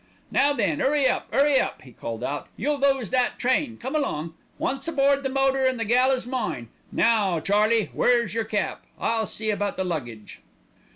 "Now then, 'urry up, 'urry up!" he called out. "You'll lose that train, come along. Once aboard the motor and the gal is mine! Now, Charlie, where's your cap? I'll see about the luggage."